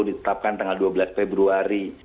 sembilan sepuluh ditetapkan tanggal dua belas februari